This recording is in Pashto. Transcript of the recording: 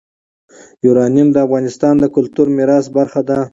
یورانیم د افغانستان د کلتوري میراث برخه ده.